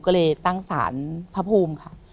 ก็เลยตั้งสารพระภูมิค่ะ